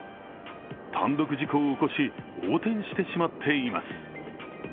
単独事故を起こし横転してしまっています。